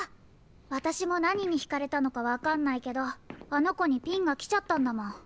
わたしもなににひかれたのかわかんないけどあのこに「ピン」がきちゃったんだもん。